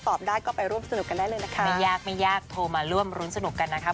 ตอบได้ก็ไปร่วมสนุกกันได้เลยนะคะไม่ยากไม่ยากโทรมาร่วมรุ้นสนุกกันนะครับ